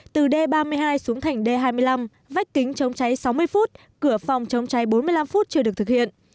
từ d ba mươi hai xuống thành d hai mươi năm vách kính chống cháy sáu mươi phút cửa phòng chống cháy bốn mươi năm phút chưa được thực hiện